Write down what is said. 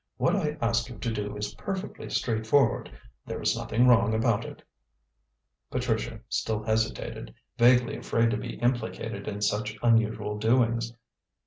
"What I ask you to do is perfectly straightforward. There is nothing wrong about it." Patricia still hesitated, vaguely afraid to be implicated in such unusual doings.